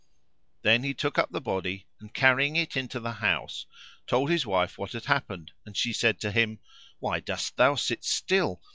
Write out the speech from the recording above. Then he took up the body and, carrying it into the house, told his wife what had happened and she said to him, "Why dost thou sit still?